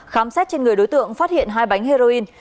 khám xét trên người đối tượng phát hiện hai bánh heroin